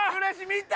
見た？